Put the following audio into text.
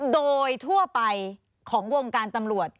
โดยทั่วไปของวงการตำรวจ